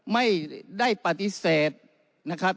ไม่ได้ปฏิเสธนะครับ